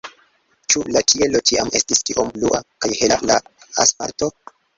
Ĉu la ĉielo ĉiam estis tiom blua, kaj hela la asfalto?